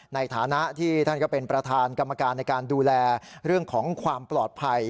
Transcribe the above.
ในฐานะที่ท่านก็เป็นประธานกรรมการในการดูแลเรื่องของความปลอดภัย